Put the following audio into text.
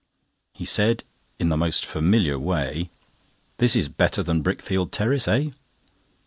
He said, in the most familiar way: "This is better than Brickfield Terrace, eh?"